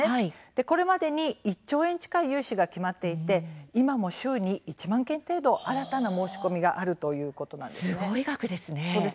これまでに１兆円近い融資が決まっていて今も週に１万件程度新たな申し込みがあるということです。